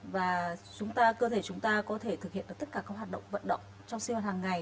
và cơ thể chúng ta có thể thực hiện tất cả các hoạt động vận động trong siêu hoạt hàng ngày